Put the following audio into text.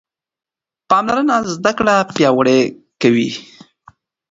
پاملرنه زده کړه پیاوړې کوي.